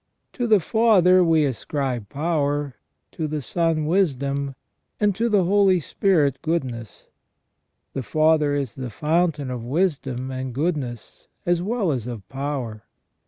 To the Father we ascribe power, to the Son wisdom, and to the Holy Spirit goodness. The Father is the fountain of wisdom and goodness as well as of power.